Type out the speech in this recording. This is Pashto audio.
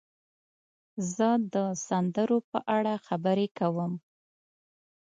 زه د سندرو په اړه خبرې کوم.